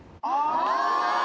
あ！